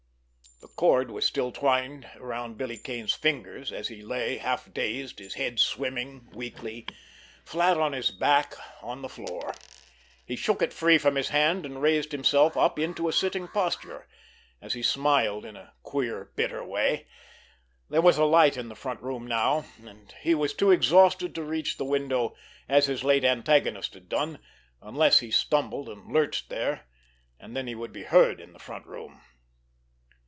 The cord was still twined around Billy Kane's fingers as he lay, half dazed, his head swimming weakly, flat on his back on the floor. He shook it free from his hand and raised himself up into a sitting posture, as he smiled in a queer, bitter way. There was a light in the front room now, and he was too exhausted to reach the window as his late antagonist had done, unless he stumbled and lurched there, and then he would be heard in the front room.